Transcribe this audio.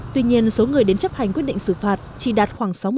tuy nhiên số người đến chấp hành quyết định xử phạt chỉ đạt khoảng sáu mươi